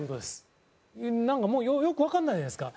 なんか、もうよくわかんないじゃないですか。